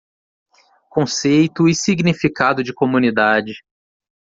Conceito e Significado de Comunidade.